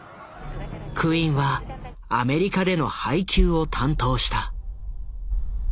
クインはアメリカでの配給を担当した。